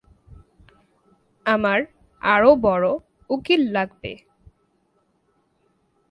আমার আরও বড় উকিল লাগবে।